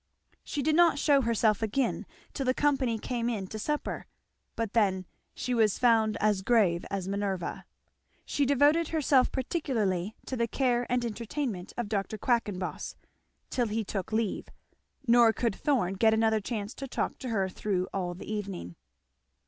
She did not shew herself again till the company came in to supper; but then she was found as grave as Minerva. She devoted herself particularly to the care and entertainment of Dr. Quackenboss till he took leave; nor could Thorn get another chance to talk to her through all the evening.